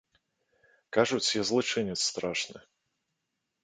Кажуць, я злачынец страшны.